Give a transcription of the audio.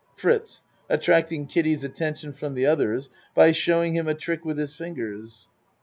FRITZ (Attracting Kiddie's attention from the others by showing him a trick with his fingers.)